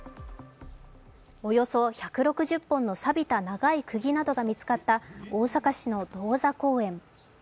およそ１６０本のさびた長い釘などが見つかった大阪市の銅座公園。